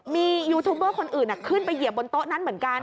มียูทูบเบอร์คนอื่นขึ้นไปเหยียบบนโต๊ะนั้นเหมือนกัน